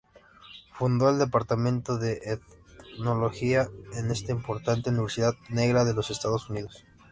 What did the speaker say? Fundó el Departamento de Etnología en esta importante universidad "negra" de los Estados Unidos.